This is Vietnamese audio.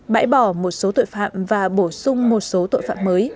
bãi bỏ một số tội phạm và bổ sung một số tội phạm mới